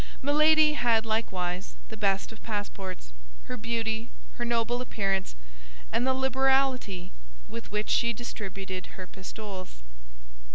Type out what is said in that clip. Milady had, likewise, the best of passports—her beauty, her noble appearance, and the liberality with which she distributed her pistoles.